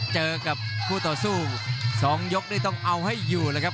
เจอกับคู่ต่อสู้๒ยกนี่ต้องเอาให้อยู่แล้วครับ